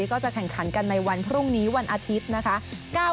ก็จะแข่งขันกันในวันพรุ่งนี้วันอาทิตย์นะคะ